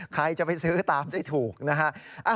ใครจะไปซื้อตามได้ถูกนะฮะ